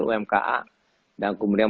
umka dan kemudian